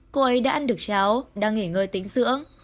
cô ấy đã ăn được cháo đang nghỉ ngơi tính dưỡng